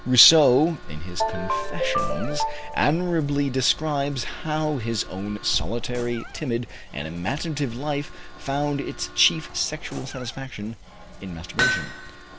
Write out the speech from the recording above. Rousseau, in his Confessions, admirably describes how his own solitary, timid, and imaginative life found its chief sexual satisfaction in masturbation.